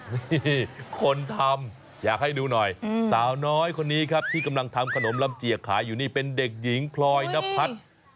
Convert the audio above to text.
นี่คนทำอยากให้ดูหน่อยสาวน้อยคนนี้ครับที่กำลังทำขนมลำเจียกขายอยู่นี่เป็นเด็กหญิงพลอยนพัฒน์